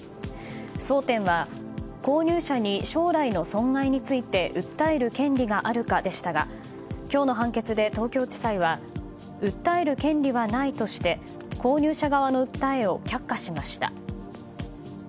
争点は購入者に将来の損害について訴える権利があるかでしたが今日の判決で東京地裁は訴える権利はないとして購入者側の訴えを却下しました。